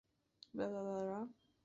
Cesión Mexicana.